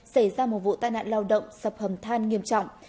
xảy ra một vụ tai nạn lao động sập hầm than nghiêm trọng